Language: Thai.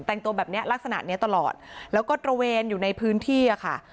แต่งตัวแบบเนี้ยลักษณะเนี้ยตลอดแล้วก็ตระเวนอยู่ในพื้นที่อ่ะค่ะ